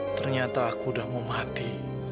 ternyata aku udah mau mati